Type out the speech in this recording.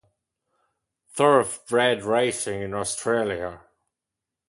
Thoroughbred racing in Australia